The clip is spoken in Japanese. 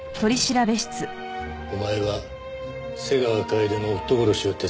お前は瀬川楓の夫殺しを手伝った。